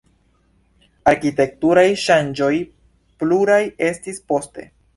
Arkitekturaj ŝanĝoj pluraj estis poste.